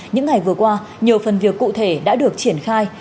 những ngày vừa qua nhiều phần việc cụ thể đã được triển khai